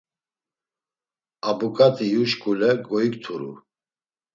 Abuǩat̆i iyu şkule goikturu.